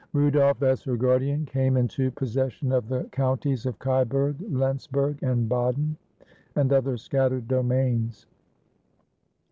Rudolf, as her guardian, came into possession of the counties of Kyburg, Lentzburg, and Baden, and other scattered domains.